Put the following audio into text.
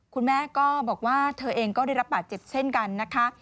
คุณแม่ก็บอกว่าเธอเองก็ได้รับบาดเจ็บเช่นกันนะคะ